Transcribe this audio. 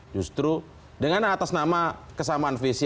justru dengan atas nama kesamaan visi